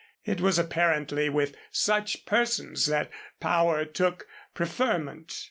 It was apparently with such persons that power took preferment.